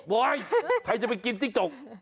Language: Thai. อยใครจะไปกินจิ้งจก